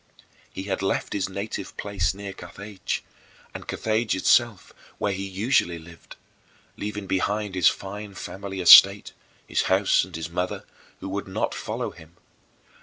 He had left his native place near Carthage and Carthage itself, where he usually lived leaving behind his fine family estate, his house, and his mother, who would not follow him.